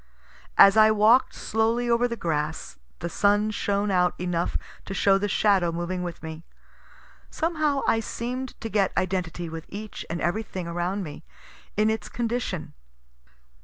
As I walk'd slowly over the grass, the sun shone out enough to show the shadow moving with me. Somehow I seem'd to get identity with each and every thing around me, in its condition.